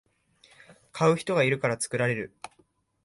買う人がいるから作られる